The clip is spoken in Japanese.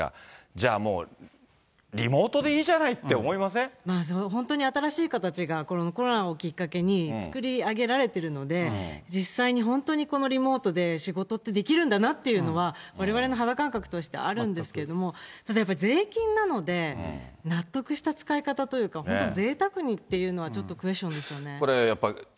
じゃあもう、リモートでいいじゃ本当に新しい形が、このコロナをきっかけに作り上げられているので、実際に本当にリモートで仕事ってできるんだなっていうのは、われわれの肌感覚としてあるんですけれども、ただやっぱり税金なので、納得した使い方というか、本当、ぜいたくにっていうのはちょっとクエスチョンですよね。